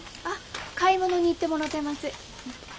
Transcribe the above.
あっ買い物に行ってもろてます。